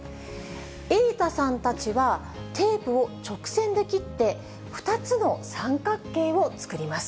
えいたさんたちは、テープを直線で切って、２つの三角形を作ります。